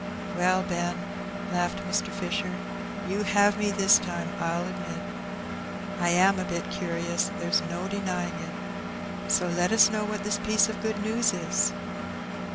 ''Well, Ben," laughed Mr. Fisher, "you have me this time, I'll admit. I am a bit curious, there's no denying it; so let us know what this piece of good news is.'